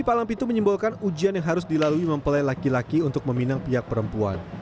palang pintu menyimbolkan ujian yang harus dilalui mempelai laki laki untuk meminang pihak perempuan